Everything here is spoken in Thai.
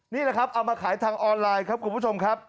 นี่แหละครับเอามาขายทางออนไลน์ครับคุณผู้ชมครับ